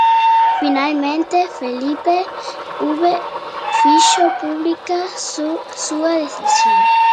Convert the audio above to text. Finalmente Felipe V hizo pública su decisión.